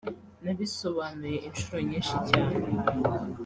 Nabisobanuye inshuro nyinshi cyane